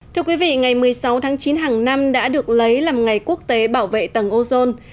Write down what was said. thưa quý vị ngày một mươi sáu tháng chín hàng năm đã được lấy làm ngày quốc tế bảo vệ tầng ozone